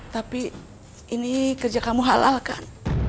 tapi ini kerja kamu halal kan